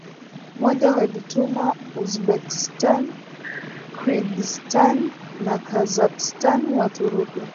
moja walitumwa Uzbekistan Kyrgyzstan na Kazakhstan Waturuki